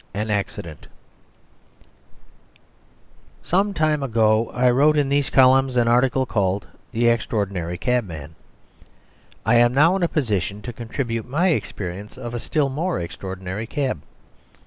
An Accident Some time ago I wrote in these columns an article called "The Extraordinary Cabman." I am now in a position to contribute my experience of a still more extraordinary cab.